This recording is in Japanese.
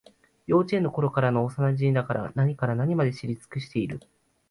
幼稚園のころからの幼なじみだから、何から何まで知り尽くしている